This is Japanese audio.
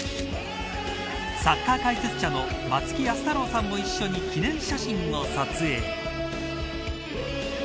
サッカー解説者の松木安太郎さんも一緒に記念写真を撮影。